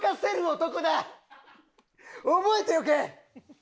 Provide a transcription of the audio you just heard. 覚えておけ！